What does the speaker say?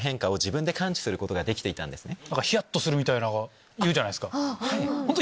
ヒヤっとするみたいないうじゃないですか。